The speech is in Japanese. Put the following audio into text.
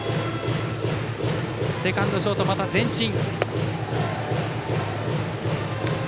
セカンド、ショートはまた前進。